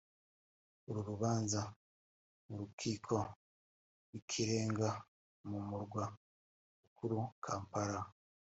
uru rubanza mu Rukiko rw’Ikirenga mu murwa mukuru Kampala